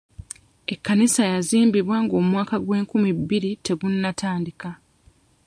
Ekkanisa yazimbibwa ng'omwaka gw'enkumi bbiri tegunatandika.